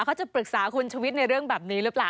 เขาจะปรึกษาคุณชวิตในเรื่องแบบนี้หรือเปล่า